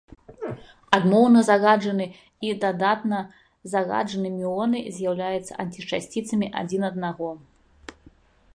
Адмоўна зараджаны і дадатна зараджаны мюоны з'яўляюцца антычасціцамі адзін аднаго.